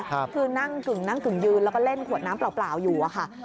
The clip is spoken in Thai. คือนั่งกึ่งนั่งกึ่งยืนแล้วก็เล่นขวดน้ำเปล่าอยู่อะค่ะ